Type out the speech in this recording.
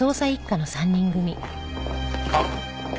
あっ！